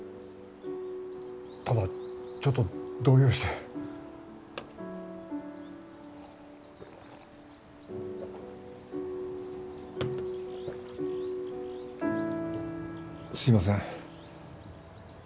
ただちょっと動揺してすいません